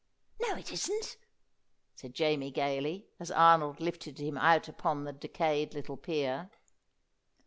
"No, it isn't," said Jamie gaily, as Arnold lifted him out upon the decayed little pier.